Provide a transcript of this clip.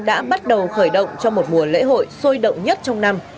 đã bắt đầu khởi động cho một mùa lễ hội sôi động nhất trong năm